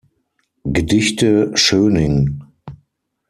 Gedichte, Schöningh.